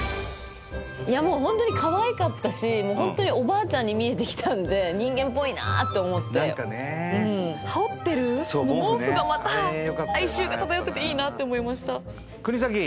ホントにかわいかったしホントにおばあちゃんに見えてきたんで人間っぽいなって思ってなんかね羽織ってる毛布がまた哀愁が漂ってていいなって思いました